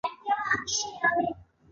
مالګه فشار لوړوي